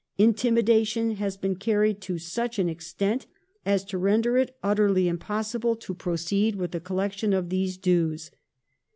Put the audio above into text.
Intimi dation has been carried to such an extent as to render it utterly impossible to proceed with a collection of these dues."